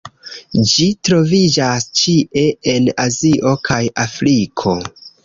Ĝi troviĝas ĉie en Azio kaj Afriko.